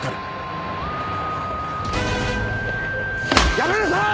やめなさい！